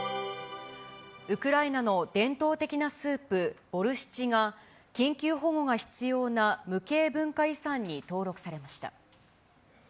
ウクライナの伝統的なスープ、ボルシチが、緊急保護が必要な無形文化遺産に登録されました。